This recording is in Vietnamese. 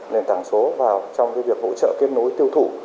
nền tảng số vào trong việc hỗ trợ kết nối tiêu thụ